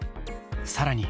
さらに。